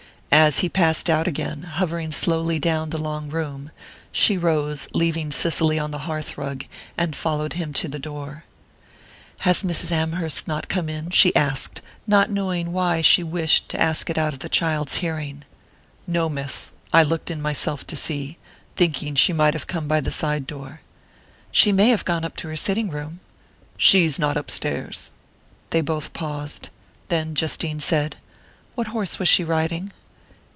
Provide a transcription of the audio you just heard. As he passed out again, hovering slowly down the long room, she rose, leaving Cicely on the hearth rug, and followed him to the door. "Has Mrs. Amherst not come in?" she asked, not knowing why she wished to ask it out of the child's hearing. "No, miss. I looked in myself to see thinking she might have come by the side door." "She may have gone to her sitting room." "She's not upstairs." They both paused. Then Justine said: "What horse was she riding?"